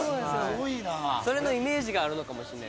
それのイメージがあるのかもしれないですね